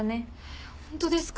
えっホントですか？